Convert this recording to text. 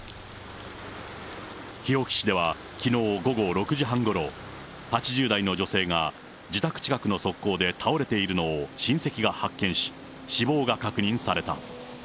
日置市ではきのう午後６時半ごろ、８０代の女性が自宅近くの側溝で倒れているのを親戚が発見し、死亡が確認された。